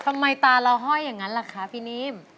ทำไมตาเราห้อยอย่างนั้นล่ะคะพี่นิ่ม